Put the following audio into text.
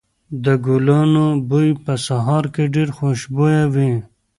د ګلانو بوی په سهار کې ډېر خوشبويه وي.